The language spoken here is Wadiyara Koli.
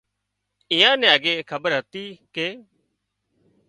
ايئان نين اڳي کٻير هتي ڪي